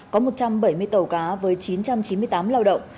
có một trăm bảy mươi tàu cá với chín trăm chín mươi tám lao động